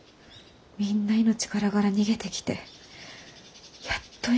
みんな命からがら逃げてきてやっと生き延びたって。